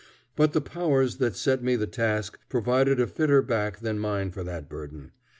But the powers that set me the task provided a fitter back than mine for that burden.